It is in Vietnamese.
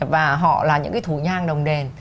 và họ là những cái thủ nhang đồng đền